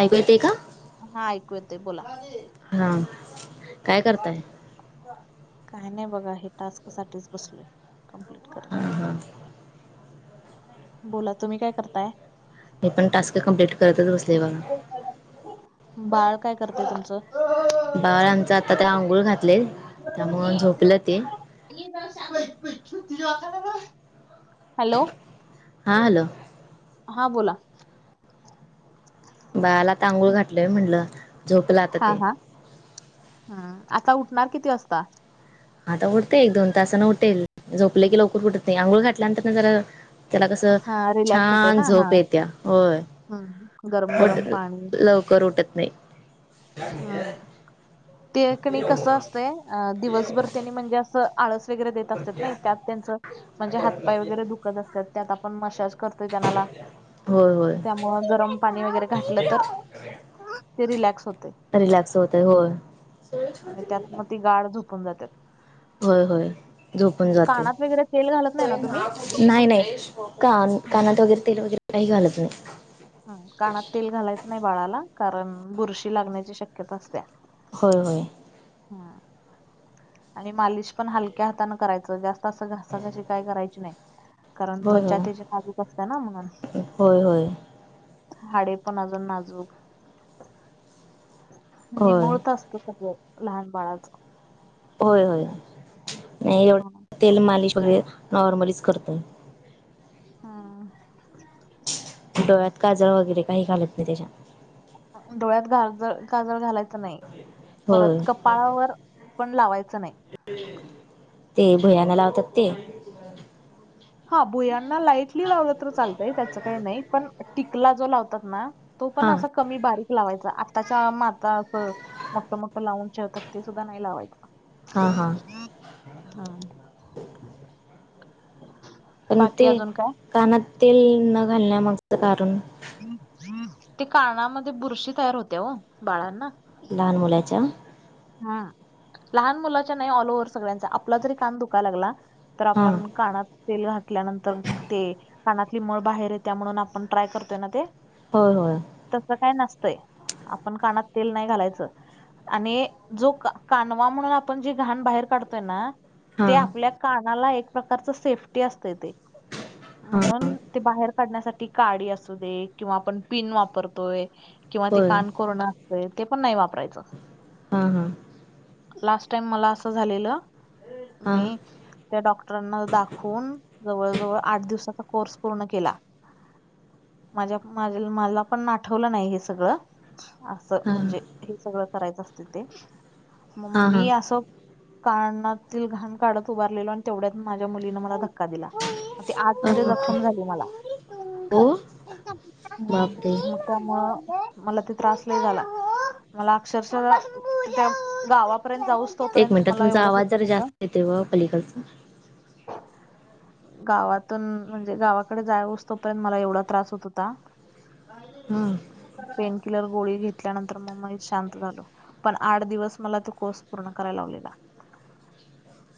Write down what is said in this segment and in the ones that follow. ऐकू येतय, का हा ऐकू येतय बोला. हा काय करतात? काय नाही, बघा हे टास्क साठीच बसलोय कंप्लीट हा करत. हा. बोला तुम्ही काय करताय? मी पण टास्क कम्प्लीट करतच बसले बघा. बाळ काय करतय तुमचं? बाळ आमचं आता तेला अंघोळ घातलयं त्यामुळं झोपलं ते. [unintelligible] आता कसं हॅलो! हा हॅलो! हा, बोला. बाळाला आता अंघोळ घातलोय म्हणलं. हा हा हा आता उठणार किती वाजता? आता उठते एक दोन तासान उठेल झोपले, की लवकर उठत नाही आंघोळ घातल्या नंतर ना जरा त्याला कसं हा रिलॅक्स होते छान! ना हा झोप येत्या होय. हम्म गरम गरम [unintelligible] पाणी लवकर उठत नाही. हम्म ते कणी कस असतयं, अ दिवसभर तेनी म्हणजे असं आळस आळस वेगैरे देत असतात नाही, त्यात त्यांच म्हणजे हात, पाय वगैरे दुखत असतात त्यात आपण मसाज करतोय त्यानाला होय होय. त्यामुळं गरम पाणी वगैरे घातलं, तर ते रिलॅक्स होतेयं. रिलॅक्स होतय होय. आणि त्यात मग ती गाढ झोपून जात्यात. होय होय. झोपून जातेय, कानात वगैरे तेल घालत नाही ना तुम्ही नाही नाही कान हम्म कानात वगैरे तेल वगैरे नाही घालत मी. ह कानात तेल घालायचं नाही बाळाला कारण, बुरशी लागण्याची शक्यता असत्या. होय होय. आणि मालिश पण हलक्या हाताान करायचं जास्त असं घासा घाशी काय करायची नाही, कारण त्वचा होय तेजी नाजूक असते ना म्हणून होय होय. हाडे पण अजून नाजूक होय होय निमुळत असत सगळं. लहान बाळाचं. होय होय नाही, म्हणून एवढं तेल मालिश वगैरे नॉर्मलीच करतोय. हा. डोळ्यात काजळ वगैरे काही घालत नाही त्याच्या. डोळ्यात काजळ काजळ घालायचं नाही होय परत, कपाळावर पण लावायचं नाही. ते भुयानं लावतात ते हा भुयांना लाईटली लावलं तर चालतंय त्याच काही नाही पण टिकला जो लावतात ना. तो पण हां असा कमी बारीक लावायचा आत्ताच्या माता अस. मोठं मोठं लावून ठेवतात ते सुद्धा नाही लावायचं. हां हां. हा. पण बाकी ते अजून काय कानात तेल न घालण्यामागचं कारण ते कानामध्ये बुरशी तयार होत्या हो बाळांना लहान मुलाच्या हम लहान मुलाच्या नाही ऑल ओव्हर सगळ्यांचा आपला जरी कान ुख लागला. तर हां आपण काना. तेल घातल्यानंतर ते कानातली मळ बाहेर येत त्या म्हणून आपण ट्राय करतोय ना ते हो हो. तसं काय नसतंय आपण कानात तेल नाही घालायचं आणि जो कानवा म्हणून आपण जे घाण बाहेर काढतोय ना ते हां आपल्या. कानाला एक प्रकारच सेफ्टी असते ते हां म्हणून ते बाहेर काढण्यासाठी काडी असू दे किंवा आपण पिन वापरतोय किंवा ते होय कान कोरण ते पण नाही वापरायचं. हा हा. लास्ट टाईम मला असं झालेलं हां मी त्या डॉक्टरांना दाखवून जवळ जवळ आठ दिवसाचा कोर्स पूर्ण केला. माझ्या मा मला पण आठवलं नाही हे सगळं. असं हां म्हणजे हे सगळं करायचं असते ते मग हां हां मी असं कानातील घाण काढत उभारलेलो आणि तेवढ्यात माझ्या मुलीन मला धक्. दिला आत अरे मध्ये बापरे जखम झाली मला हो [unintelligible] बापरे त्या म मला ते त्रास नाही झाला मला अक्षरश त्या गावापर्यंत जाऊ. एक मिनिटात तुमचा आवाज जर जास्त येते व पलीकलचा गावातून म्हणजे गावाकडे जाय असतो पर्यंत मला एवढा त्रास होत होता. हा. पेनकिलर गोळी घेतल्यानंतर मग मनीत शांत झालो. पण आठ दिवस मला तो कोर्स पूर्ण कराला लावलेला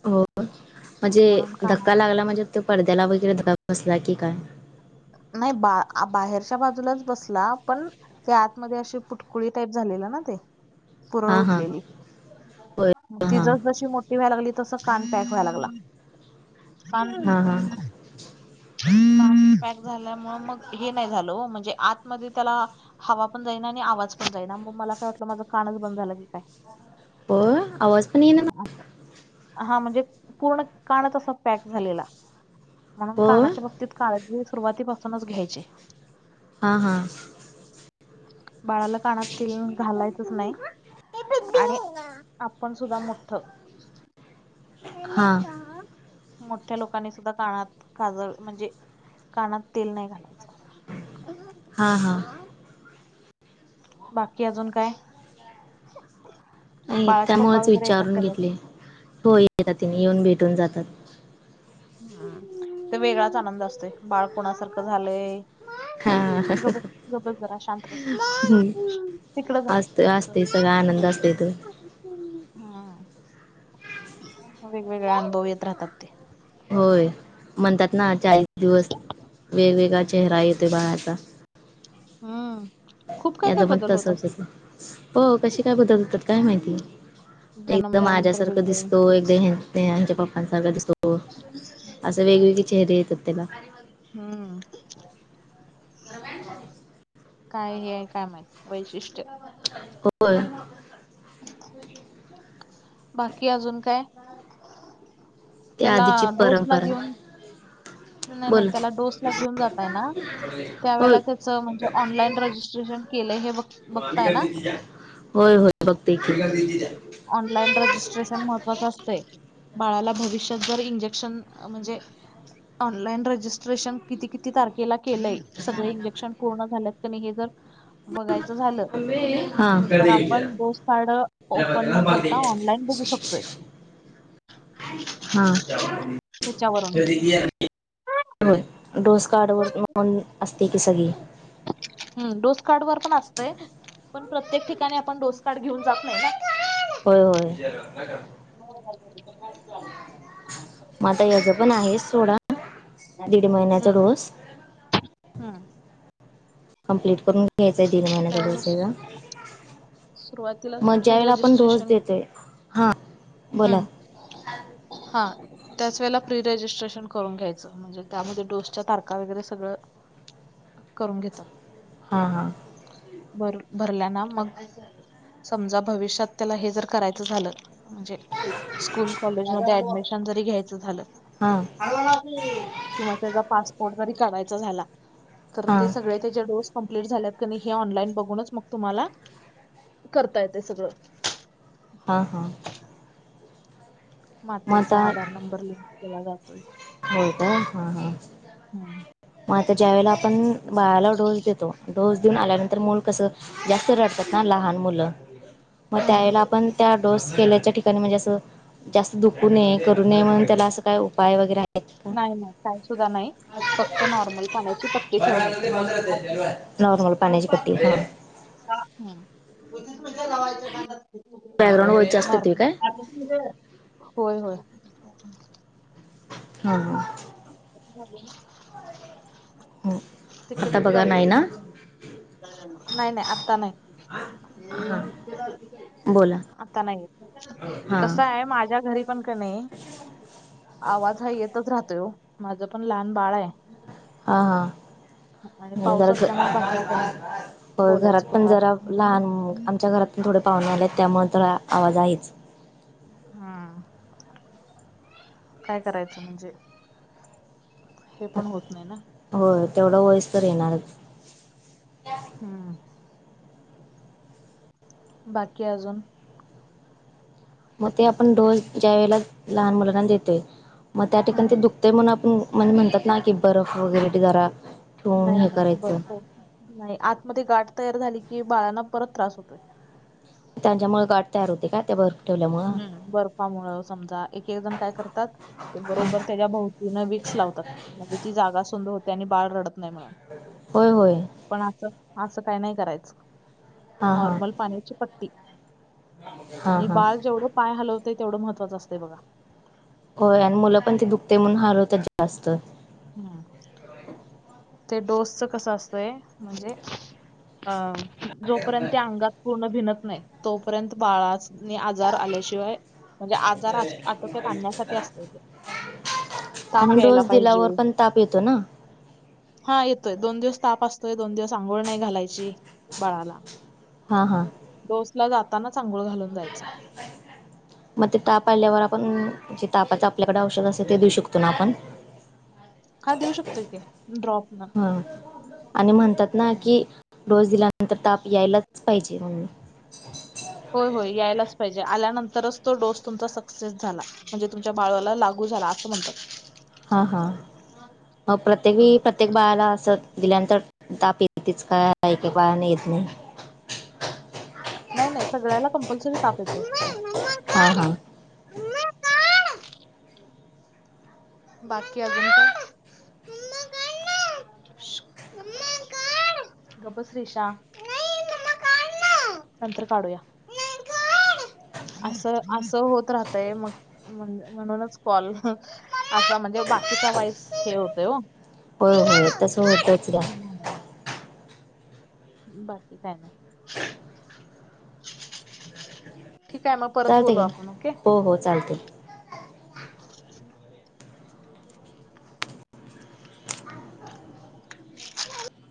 हो म्हणजे म्हणून काय धक्का लागला म्हणजे तो पडद्याला वगैरे धक्का बसला की काय. नाही बा बाहेरच्या बाजूलाच बसला पण. त्या आतमध्ये अशी पुटकुळी टाईप झालेलं ना ते. पुरळ हा हा उठलेली होय हा तिजच जशी मो. पिवा्हाय लागली तस कान पॅक व्हाय लागला कान. हा हा पॅक झाल्यामु मग हे नाही झालं म्हणजे आतमध्ये त्याला. हवा पण जाईना आणि आवाज पण जाईना मग मला काय वाटलं माझं कानच बंद झालं की काय. हो आवाज पण ना. हा म्हणजे पूर्ण कान तसा पॅक झालेला. म्हणून हो कानाच्या बाबतीत काळजी सुरुवातीपासूनच घ्यायचे. हा हा. बाळाला कानात त घालायचंच नाही. आपण सुद्धा मोठठ नाही हां का. मोठ्या लोकांनी सुद्धा कानात काजव म्हणजे कानात तेल नाही घालायचं. हा हा. बाकी अजून काय. नाही बाळाचे पप्पा त्यामुळेच वगैरे येतात विचारून का नाही घेतले हो येतात तिने येऊन भेटून जातात. हम् ते वेगळाच आनंद असतोय, बाळ कोणासारखं झालंय. हा गबर गबर जरा शांत बस्त. हम् असत असते, सगळा आनंद असतेथून. हम वेगवेगळे अनुभव येत राहतात ते. होय म्हणतात ना चाळीस दिवस वेगवेगळा, चेहरा येतोय बनायचा. हा याचं मण तसंचच. हो कशी काय बदलतात काय माहिती, एकदम जन्मल्यानंतर माझ्यासारखं वेगळं दिसतो. एकदा हे ते आमच्या पाप्पांसारखा दिसतो, असे वेगवेगळे चेहरे येतात त्याला. हम्म तरमॅ आहे. काय हे काय माहत वैशिष्ट्य. हो बाकी अजून काय ते त्याला आधीची डोसला परंपरा घेऊन नाही नाही, बोल त्याला डोस ला घेऊन जातय ना. होय त्यावे त्याच म्हणजे ऑनलाईन, रजिस्ट्रेशन केलं हे बघताय ना. होय होय फघतील. ऑनलाईन रजिस्ट्रेशन महत्त्वाचं असते. बाळाला भविष्यात जर इंजेक्शन, म्हणजे ऑनलाईन रजिस्ट्रेशन. किती किती तारखेला केलंय सगळे इंजेक्शन, पूर्ण झाल्यात क नाही हे जर बघायचं. झा हा तर आपणोस झाड. आप न करता ऑनलाईन बघू शकतोय. हा त्याच्यावरून डोस कार्डवर मौन असते, की सगळी. हम्म डोस कार्ड वर पण असतंय. पण प्रत्येक ठिकाणी आपण डोस कार्ड, घेऊन जात नाही ना. होय होय. हो झा झाल. म आता याचं पण आहे सोडा. दीड महिन्याचा हम्म डोस हम्म कंप्लीट करून घ. घ्यायचंय तीन महिन्याचा त्याला दिवसेचा. सुरुवातीलाच मग ज्या प्री वेळे आपण डोस रजिस्ट्रेशन देतोय, हा बोला हम्म हा त्याच वेळेला प्रीरेजिस्ट्रेशन करून घ्यायचं म्हणजे. त्यामध्ये डोसच्या तारखा वगैरे सगळं. करून घेतात. हा हा भर भरला ना मग. समजा भविष्यात त्याला हे जर करायचं झालं म्हणजे, स्कूल कॉलेज म ऍडमिशन. री घ्यायच झालं. हां. किंवा त्याचा पासपोर्ट, जरी कराायचा झाला तर ते हां सगळे. त्याचे डोस कं्प्लीट झाल्यात, क हे ऑनलाईन बघूनच मग तुम्हाला. करता येते सगळं. हा हा. मग मातेचा आता आधार नंबर, लिंक केला जातोय. हो काय हा हा. हम्म. मग आता ज्या वेळेला आपण बाळाला डोस देतो, डोस देऊन आल्यानंतर मूल कस. जास्त रडतात ना लहान मुलं मग हम्म त्यावेळेला, आपण त्या डोस केल्याच्या ठिकाणी. म्हणजे अस जास्त दुू करू ने म्हण, त्याला अस काय उपाय वगैरे. आहेत का? नाही नाही काय सुद्धा नाही आज फक्त नॉर्मल पाण्याची पट्टी ठेव नय. नॉर्मल पाणीची कटी ह. तुथच पश लावायच्या खना्यात. बॅकग्रांड व्हायच असते ती काय. [unintelligible] होय होय. ह. हो. हो. आता तिकडच बघा जाऊ त नाही ना? किंमत नाही नाही आता नाही. हा. बोला आता नाही हा. कस आहे माझ्या घरी. पण का नाही आवाज हा येतच राहतोय माझं पण लहान बाळ आहे. हां हां. आणि पाऊस ज असल्यामुळे बाहेर जाऊन बोलायचं घरात पण कुठं असं जरा पण लहान आमच्या घरात थोडे पाहून आलेत त्यामुळे तर आवाज आहेच. हम् काय करायचं म्हणजे हे पण होत नाही ना. हो तेवढं वयस तर येणार. हम्म. बाकी अजून. मग ते आपण डोस ज्या वेळेला लहान मुलांना देतोय मग त्या ठिकाणी हम्म ते दु. ते म्हण आपण म्हणजे म्हणतात ना की बर्फ वगैरे जरा ठेवून नाही हे नाही करायचं. बर्फ नाही आतमध्ये गाठ तयार झाली की बाळांना परत त्रास होतोय. त्यांच्यामुळे गाट तयार होते का ते भरपूर. हम्म बर्फामुळ समजा एक एक जण काय करतात. ते हां बरोबर त्याच्या भोवतीन विक्स लावतात म्हणजे ती जागा सुंदर होते आणि बाळ रडत नाही म्हणून होय हो. पण असं असं काही नाही करायचं हां हां नॉर्मल पाण्याची पट्टी हां आणि हां बाळ जेवढं पाय हलवते तेवढं महत्त्वाचं असतं बघा. होय आणि मुलं पण ते दुखते म्हणून हलवतात जास्त हम्म. ते डोसचं कसं असतंय म्हणजे जोपर्यंत ते अंगात पूर्ण भिनत नाही तोपर्यंत बाळाने आजार आल्याशिवाय म्हणजे आजार आटोक्यात आणण्यासाठी असत ते ताप आणि यायला डोस दिल्यावर पाहिजे. पण ताप येतो ना. हा येतोय दोन दिवस ताप असतोय दोन दिवस आंघोळ नाही घालायची. बाळाला. हां हां. डोस ला जाताना अंघोळ गोळ घालून जायचं. ह. मग ते ताप आल्यावर आपण जे तापाच आपल्याकडे औषध असे ते देऊ शकतो ना आपण हा देऊ शकतो का ड्रॉप न हा आणि म्हणतात ना की डोस दिल्यानंतर ताप यायलाच पाहिजे म्हणून होय होय यायलाच पाहिजे आल्यानंतरच तो डोस तुमचा सक्सेस झाला. म्हणजे तुमच्या बाळाला लागू झाला असं म्हणतात. हां हां मग प्रत्येक प्रत्येक बाळाला असं दिल्यानंतर तापी तच काय आहेक बाळने येत नाही. नाही नाही सगळ्याला कंपल्सरी ताप येते. हा हा. बाकीकी अजून का? [unintelligible] गब बस श्रीशा. काढ ना नंतर काढूया. असं असं होत राहतय मग म्हणूनच कॉल असा म्हणजे बाकीचा वाॉईस हे होतोय हो. हो होय तसं होतच घ्या. बाकी काय नाय. ठीक आहे मग परत चालते बोलू का आपण ओके. हो हो चालते.